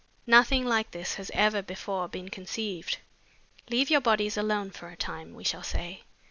Nothing like this has ever before been conceived, 'Leave your bodies alone for a time,' we shall say.